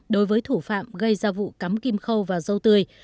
đối với thủ phạm gây ra vụ cắm kim khâu và dâu tươi